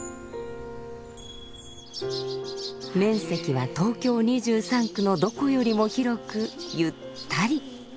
面積は東京２３区のどこよりも広くゆったり。